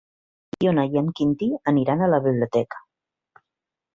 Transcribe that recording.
El vint-i-tres de maig na Fiona i en Quintí aniran a la biblioteca.